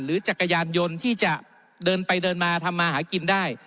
จักรยานยนต์ที่จะเดินไปเดินมาทำมาหากินได้